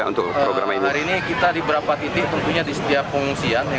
yang tidak menjadi korban daripada bencana